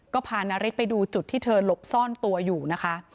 ก็พานาริสไปดูจุดที่เธอหลบซ่อนตัวอยู่นะคะ